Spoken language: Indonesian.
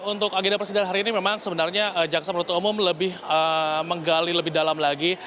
untuk agenda persidangan hari ini memang sebenarnya jaksa penuntut umum lebih menggali lebih dalam lagi